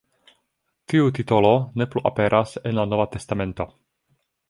Tiu titolo ne plu aperas en la Nova Testamento.